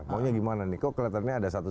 maunya gimana nih kok kelihatannya ada satu